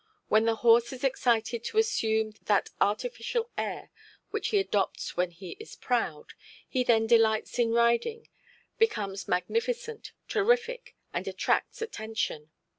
'When the horse is excited to assume that artificial air which he adopts when he is proud, he then delights in riding, becomes magnificent, terrific, and attracts attention!